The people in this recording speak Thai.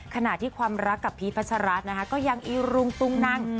ขณะที่ความรักกับพีชพัชรัฐนะคะก็ยังอีรุงตุงนัง